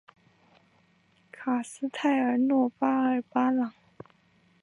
卡斯泰尔诺巴尔巴朗。